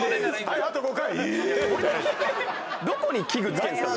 どこに器具付けるんすか？